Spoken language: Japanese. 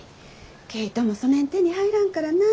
毛糸もそねん手に入らんからなあ。